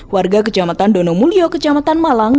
warga kejamatan donomulio kejamatan malang